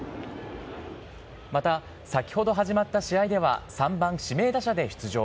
また、先ほど始まった試合では、３番指名打者で出場。